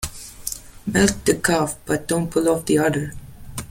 Milk the cow but don't pull off the udder.